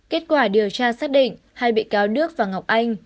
kết quả điều tra xác định hai bị cáo đức và ngọc anh